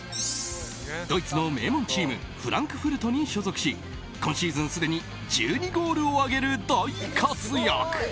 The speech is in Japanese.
ドイツの名門チームフランクフルトに所属し今シーズンすでに１２ゴールを挙げる大活躍。